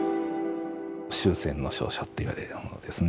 終戦の詔書っていわれるようなものですね。